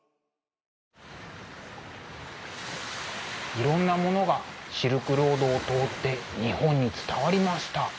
いろんなものがシルクロードを通って日本に伝わりました。